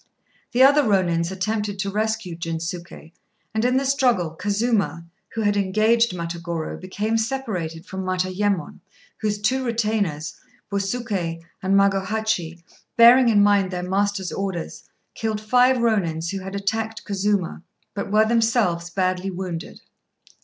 The other Rônins attempted to rescue Jinsuké, and, in the struggle, Kazuma, who had engaged Matagorô, became separated from Matayémon, whose two retainers, Busuké and Magohachi, bearing in mind their master's orders, killed five Rônins who had attacked Kazuma, but were themselves badly wounded.